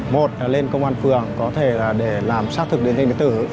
một là lên công an phường có thể là để làm xác thực điện danh điện tử